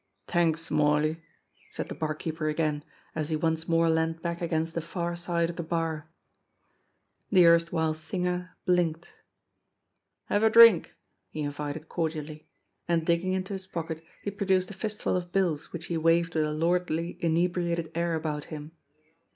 "T'anks, Smarly!" said the barkeeper again, as he once more leaned back against the far side of the bar. The erstwhile singer blinked. "Have a drink," he invited cordially ; and digging into nis pocket, he produced a fistful of bills which he waved with a lordly, inebriated air about him.